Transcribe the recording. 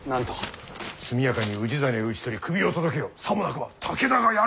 速やかに氏真を討ち取り首を届けよさもなくば武田がやると。